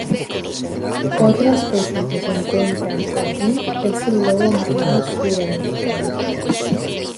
Otra especie que se encuentran aquí es el lobo marino sudamericano.